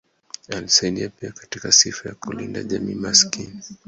Alisaidia pia katika sifa ya kulinda jamii maskini.